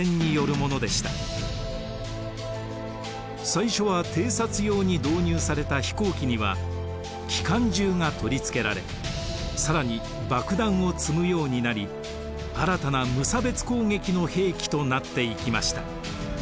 最初は偵察用に導入された飛行機には機関銃が取り付けられ更に爆弾を積むようになり新たな無差別攻撃の兵器となっていきました。